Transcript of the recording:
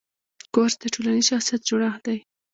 کورس د ټولنیز شخصیت جوړښت دی.